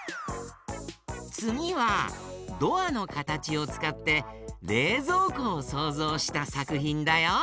つぎはドアのかたちをつかってれいぞうこをそうぞうしたさくひんだよ。